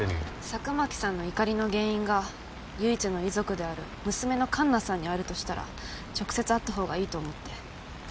佐久巻さんの「怒り」の原因が唯一の遺族である娘のかんなさんにあるとしたら直接会ったほうが良いと思って。